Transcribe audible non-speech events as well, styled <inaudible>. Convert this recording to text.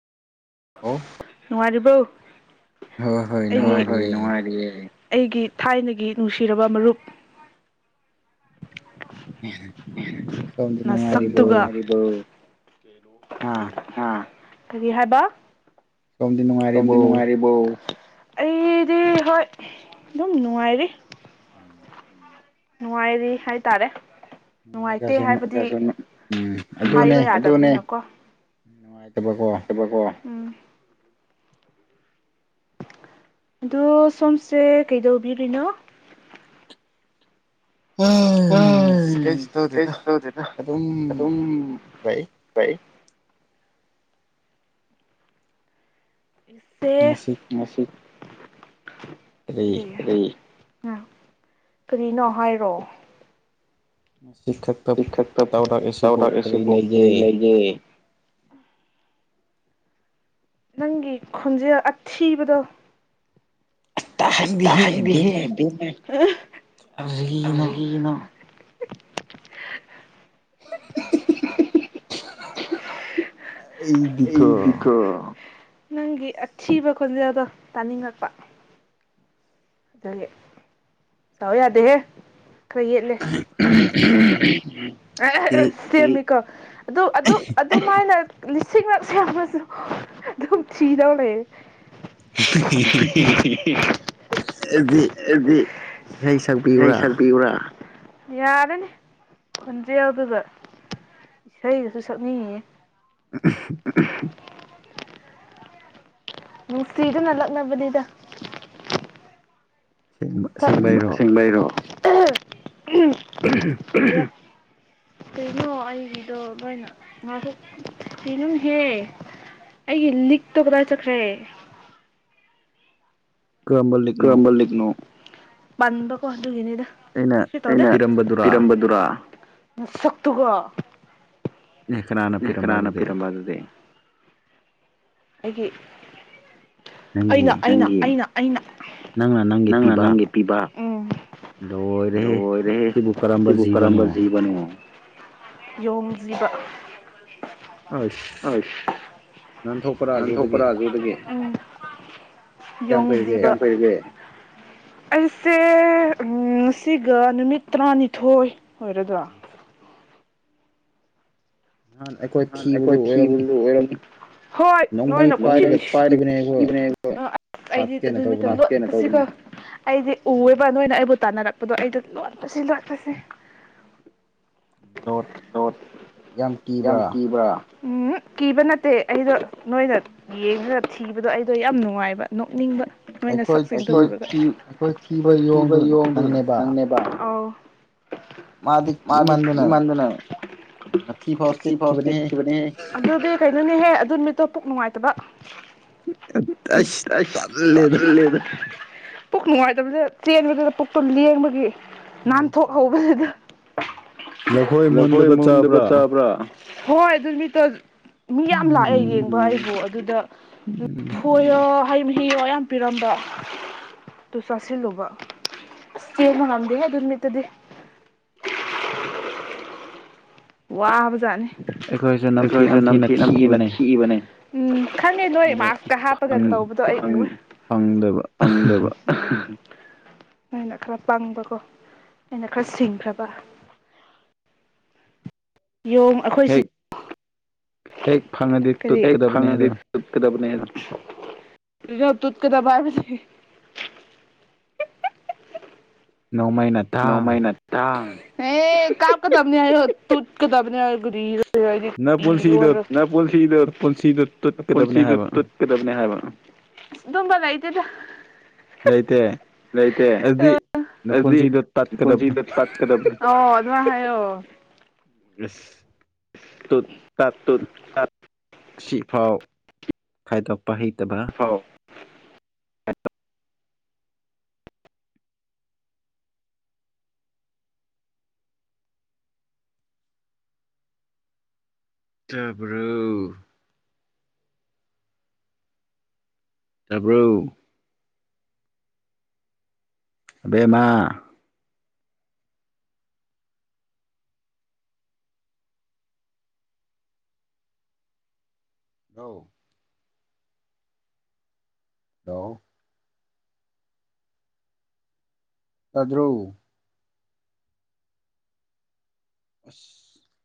ꯅꯉꯔꯤꯕꯧ ꯍ ꯍꯣꯏ ꯅꯨꯡꯉꯥꯏꯔꯤ ꯑꯩꯒꯤ ꯊꯥꯏꯅꯒꯤ ꯅꯨꯡꯁꯤꯔꯕ ꯃꯔꯨꯞ ꯁꯣꯗ ꯅꯨꯅꯨꯡ ꯃꯥꯔꯤꯔꯤꯕ ꯑꯥ ꯀ ꯍꯥꯏꯕ ꯀꯝꯗꯤꯅꯅꯨꯡꯉꯥꯏꯔꯤꯕꯣ ꯑꯩꯗꯤ ꯍꯣꯏ ꯑꯗꯨꯝ ꯅꯨꯡꯉꯥꯏꯔꯤ ꯅꯨꯡꯉꯥꯏꯔꯤ ꯍꯥꯏꯇꯥꯔꯦ ꯅꯨꯡꯉꯥꯏꯇꯦ ꯍꯥꯏꯕꯗꯤ ꯍꯥꯏꯕ ꯌꯥꯗꯕꯅꯤꯅꯀꯣ ꯆꯕꯀꯣ ꯑ ꯁꯣꯝꯁꯦ ꯀꯩꯗꯧꯕꯤꯔꯤ꯭ꯔꯤꯅꯣ ꯎꯝ ꯀꯩꯁꯨ ꯇꯧꯗꯦꯅ ꯑꯗꯨꯝ ꯐꯩ ꯏꯁꯦ ꯀꯔꯤ ꯀꯔꯤ ꯀꯔꯤꯅꯣ ꯍꯥꯏꯔꯣ꯫ ꯃꯁ <unintelligible> ꯇꯧꯔꯛ ꯏꯁꯤꯕꯨ ꯀꯔꯤ ꯂꯩꯒꯦ꯫ ꯅꯪꯒꯤ ꯈꯣꯟꯖꯦꯜ ꯑꯊꯤꯕꯗꯣ꯫ ꯇꯥꯍꯟꯕꯤꯍꯦ ꯕꯦꯃ <unintelligible> ꯔꯤꯒꯤꯅꯣ <unintelligible> ꯑꯩꯗꯤꯀꯣ꯫ ꯅꯪꯒꯤ ꯑꯊꯤꯕ ꯈꯣꯟꯖꯦꯜꯗꯣ ꯇꯥꯅꯤꯡꯉꯛꯄ꯫ ꯑꯗꯨꯒꯤ ꯁꯥꯎ ꯌꯥꯗꯦꯍꯦ꯫ ꯈꯔ ꯌꯦꯠꯂꯦ <unintelligible> ꯀ ꯑꯗꯨ ꯑꯗꯨꯛ ꯑꯗꯨꯃꯥꯏꯅ ꯂꯤꯁꯤꯡꯂꯛ ꯁꯥꯝꯃꯁꯨ ꯑꯗꯨꯝ ꯊꯤꯗꯧ ꯂꯩꯔꯦ꯫ <unintelligible> ꯏꯁꯩ ꯁꯛꯄꯤꯌꯨꯔ꯫ ꯌꯥꯔꯅꯤ ꯈꯣꯟꯖꯦꯜꯗꯨꯗ꯫ ꯏꯁꯩꯒꯁꯨ ꯁꯛꯅꯤꯡꯉꯤꯌꯦ꯫ <unintelligible> ꯅꯨꯡꯁꯤꯗꯨꯅ ꯂꯛꯅꯕꯅꯤꯗ꯫ <unintelligible> ꯑꯁꯦꯡꯕꯩꯔꯣ <unintelligible> <unintelligible> ꯀꯩꯅꯣ ꯑꯩꯒꯤꯗꯣ ꯂꯣꯏꯅ <unintelligible> ꯍꯦ ꯑꯩꯒꯤ ꯂꯤꯛꯇꯣ ꯀꯗꯥꯏ ꯆꯠꯈ꯭ꯔꯦ꯫ ꯀꯔꯝꯕ ꯂꯤꯛꯅꯣ꯫ ꯄꯟꯕꯀꯣꯟ꯫ ꯑꯗꯨꯒꯤꯅꯤꯗ <unintelligible> ꯑꯩꯅ ꯄꯤꯔꯝꯕꯗꯨꯔ꯫ ꯅꯁꯛꯇꯨꯒ꯫ ꯑꯦ ꯀꯅꯥꯅ ꯄꯤꯔꯝꯕ ꯑꯗꯨꯗꯤ꯫ ꯑꯩꯒꯤ ꯑꯩꯅ ꯑꯩꯅ ꯅꯪꯒꯤ ꯑꯩꯅ꯫ ꯑꯩꯅ ꯅꯪꯅ ꯅꯪꯒꯤ ꯄꯤꯕ ꯂꯣꯏ ꯔꯦ ꯇꯕꯨ ꯀꯝꯝꯕꯖꯤꯕꯅ ꯌꯣꯡꯖꯤꯕ ꯍ ꯅꯥꯟ ꯊꯣꯛꯄ꯭ꯔꯥ ꯑꯗꯨꯗꯒꯤ ꯌ ꯑꯩꯁꯦ ꯎ ꯉꯁꯤꯒ ꯅꯨꯃꯤꯠ ꯇꯔꯥꯅꯤꯊꯣꯏ ꯑꯣꯏꯔꯗ꯭ꯔꯥ ꯑ ꯑꯩꯈꯣꯏ ꯊꯤꯂꯨ ꯑꯦꯔꯣꯝ ꯍꯣꯏ ꯅꯣꯏꯅ ꯑꯩꯗꯤ ꯑꯗꯨꯁꯤꯒ ꯑꯩꯁꯦ ꯎꯕ ꯅꯣꯏꯅ ꯑꯩꯕꯨ ꯇꯥꯟꯅꯔꯛꯄꯗꯣ ꯑꯩꯗ ꯂꯣꯏꯅ ꯁꯤꯂꯛꯄꯁꯦ ꯂꯣꯠ ꯌꯥꯝ ꯀꯤꯕ꯭ꯔꯥ ꯎꯝ ꯀꯤꯕ ꯅꯠꯇꯦ ꯑꯩꯗꯣ ꯅꯣꯏꯅ ꯌꯦꯡꯗꯨꯅ ꯊꯤꯕꯗꯣ ꯑꯩꯗꯣ ꯌꯥꯝ ꯅꯨꯡꯉꯥꯏꯕ ꯅꯣꯛꯅꯤꯡꯕ ꯑꯩꯈꯣꯏ ꯀꯤꯕ ꯌꯣꯡꯗꯨ ꯅꯪꯅꯦꯕ ꯃꯥꯗꯤ ꯀ ꯃꯥꯟꯗꯅ ꯃꯊꯤ ꯐꯥꯎ ꯆꯦꯠꯈꯤꯕ ꯠꯈꯤꯕꯅꯦꯗꯤ ꯈꯥꯏꯅꯅꯦ ꯍꯦ ꯑꯗꯨ ꯅꯨꯃꯤꯠꯇꯣ ꯄꯨꯛ ꯅꯨꯡꯉꯥꯏꯇꯕ ꯑ ꯇꯂꯦ ꯑꯗꯨ ꯄꯨꯛ ꯅꯨꯡꯉꯥꯏꯇꯕꯗꯨꯗ ꯆꯦꯟꯕꯗꯨꯗ ꯄꯨꯛꯇꯨ ꯂꯦꯡꯕꯒꯤ ꯅꯥꯟꯊꯣꯛꯍꯧꯕꯁꯤꯗ ꯂꯐꯣꯏ ꯃꯨꯟꯗꯕ ꯆꯥꯕ꯭ꯔꯥ ꯍꯣꯏ ꯑꯗꯨꯃꯤ ꯇ ꯃꯤ ꯌꯥꯝ ꯂꯥꯛꯑꯦ ꯌꯦꯡꯕ ꯍꯥꯏꯕꯨ ꯑꯗꯨꯗꯣꯏꯔ ꯍꯩ ꯃꯍꯤꯔꯣ ꯌꯥꯝ ꯄꯤꯔꯝꯕ ꯑꯗꯨ ꯆꯥꯁꯤꯜꯂꯨꯕ ꯑꯁ ꯆꯦꯟꯕ ꯉꯝꯗꯦ ꯑꯗꯨ ꯅꯨꯃꯤꯠꯇꯗꯤ ꯋꯥꯍꯕꯖꯥꯅꯤ ꯑꯩꯈꯣꯏꯁꯦ ꯅꯝꯊꯤ ꯅꯝꯊꯤꯅ ꯊꯤꯕꯅꯦ ꯎꯝ ꯈꯪꯉꯦ ꯅꯣꯏꯥꯛꯁꯀ ꯍꯥꯞꯄꯒ ꯇꯗꯣ ꯑꯩꯪ ꯑꯩꯅ ꯈꯔ ꯄꯪꯕꯀꯣ ꯑꯩꯅ ꯈꯔ ꯁꯤꯡꯈ꯭ꯔꯕ ꯌꯦꯣꯡ ꯑꯩꯈꯣꯏ ꯁꯤ ꯍꯦꯛ ꯐꯪꯉꯗꯤ ꯇꯨꯠꯀꯗꯕꯅꯦ ꯑꯗꯣ <unintelligible> ꯇꯨꯠꯀꯗꯕ ꯍꯥꯢꯕꯅꯤ ꯅꯣꯡꯃꯩꯅ ꯗꯥꯡ ꯑꯦ ꯀꯥꯞꯀꯗꯕꯅꯤ ꯍꯥꯏꯌꯨ ꯇꯨꯠꯀꯗꯕꯅꯤ ꯍꯥꯢ ꯀꯔꯤꯔ <unintelligible> ꯑꯥꯁ ꯑꯗꯨꯝꯕ ꯂꯩꯇꯦꯗ ꯂꯩꯇꯦ ꯑꯗꯨꯗꯤ ꯅꯄꯨꯟꯁꯤꯗ ꯅꯄꯨꯟꯁꯤꯗꯣ ꯇꯠ ꯀꯗꯕꯅꯤ ꯑꯣ ꯑꯗꯨꯃꯥꯢꯅ ꯍꯥꯏꯌꯣ ꯌꯦꯁ ꯇꯨꯠ ꯇꯠ ꯁꯤꯐꯥꯎ ꯈꯥꯏꯗꯣꯛ ꯄꯥ ꯍꯩꯇꯕ <unintelligible> ꯆꯥꯕ꯭ꯔꯣ ꯇꯥꯕ꯭ꯔꯣ ꯑꯕꯦꯝꯃ ꯍꯜꯂꯥꯎ ꯍꯜꯂꯣ ꯇꯥꯗ꯭ꯔꯣ ꯑꯁ